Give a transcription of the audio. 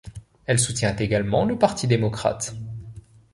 Elle soutient également le Parti démocrate.